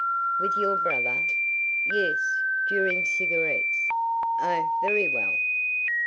"With your brother?" "Yes, during cigarettes." "Oh, very well."